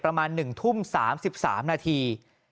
ประมาณ๑ทุ่ม๓๓นาที